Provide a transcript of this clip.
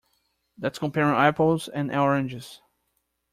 That's comparing apples and oranges.